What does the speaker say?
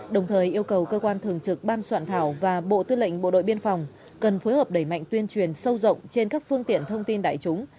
đồng thời yêu cầu cơ quan thường trực ban soạn thảo và bộ tư lệnh bộ đội biên phòng cần phối hợp đẩy mạnh tuyên truyền sâu rộng trên các phương tiện thông tin đại chúng